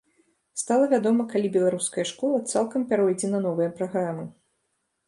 Стала вядома, калі беларуская школа цалкам пяройдзе на новыя праграмы.